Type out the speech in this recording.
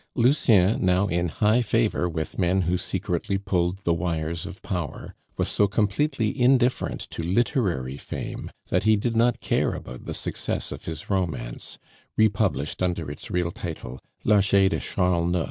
Lucien, now in high favor with men who secretly pulled the wires of power, was so completely indifferent to literary fame, that he did not care about the success of his romance, republished under its real title, _L'Archer de Charles IX.